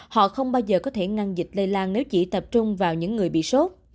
họ không bao giờ có thể ngăn dịch lây lan nếu chỉ tập trung vào những người bị sốt